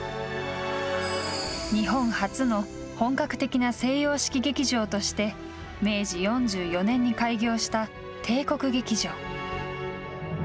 日本初の本格的な西洋式劇場として明治４４年に開業した帝国劇場。